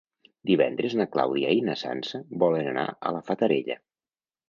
Divendres na Clàudia i na Sança volen anar a la Fatarella.